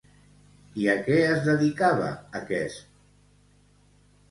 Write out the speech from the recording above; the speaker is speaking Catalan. I a què es dedicava aquest?